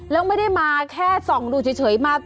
แล้วไม่ได้มาแค่ส่องดูเฉยมา